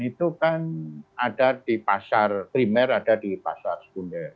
jadi kalau kita membeli unit apartemen itu kan ada di pasar primer ada di pasar perusahaan